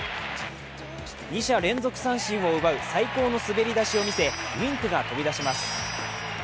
２者連続三振を奪う最高の滑り出しを見せ、ウインクが飛び出します。